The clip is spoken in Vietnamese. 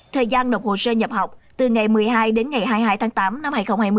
thời gian nộp hồ sơ nhập học từ ngày một mươi hai đến ngày hai mươi hai tháng tám năm hai nghìn hai mươi